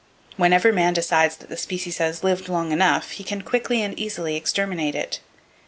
Whenever man decides that the species has lived long enough, he can quickly and easily exterminate it.